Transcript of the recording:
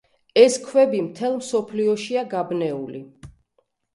ეს ქვები მთელ მსოფლიოშია გაბნეული.